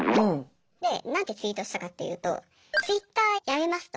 で何てツイートしたかっていうと「Ｔｗｉｔｔｅｒやめます」と。